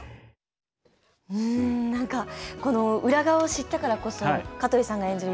この裏側を知ったからこそ香取さんが演じる